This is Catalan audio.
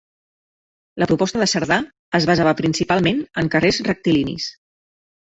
La proposta de Cerdà es basava principalment en carrers rectilinis.